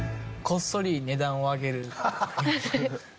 こっそり値段を上げる。